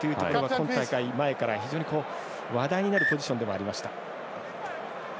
今大会前から、非常に話題になるポジションでもありました。